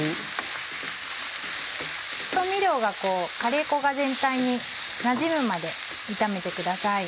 調味料がこうカレー粉が全体になじむまで炒めてください。